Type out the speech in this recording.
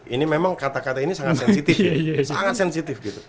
ini memang kata kata ini sangat sensitif